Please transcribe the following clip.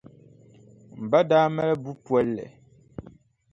M ba daa mali buʼ polli.